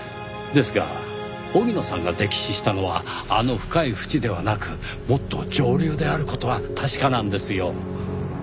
ですが荻野さんが溺死したのはあの深い淵ではなくもっと上流である事は確かなんですよ。